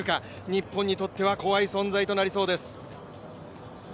日本にとっては怖い存在になりそうです。